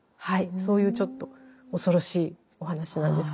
そういうちょっと恐ろしいお話なんですけれども。